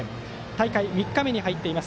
大会３日目に入っています。